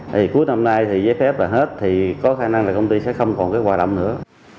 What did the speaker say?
thì cuối năm nay thì giấy phép là hết thì có khả năng là công ty sẽ không còn cái hoạt động nữa